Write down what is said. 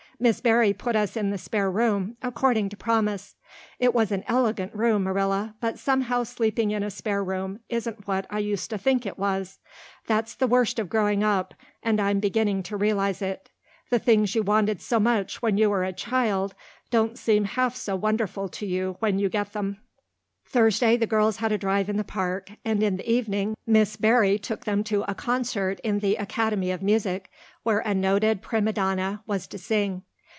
Miss Barry put us in the spare room, according to promise. It was an elegant room, Marilla, but somehow sleeping in a spare room isn't what I used to think it was. That's the worst of growing up, and I'm beginning to realize it. The things you wanted so much when you were a child don't seem half so wonderful to you when you get them." Thursday the girls had a drive in the park, and in the evening Miss Barry took them to a concert in the Academy of Music, where a noted prima donna was to sing.